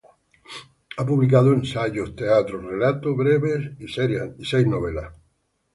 Ha publicado ensayo, teatro, relato breve y seis novelas.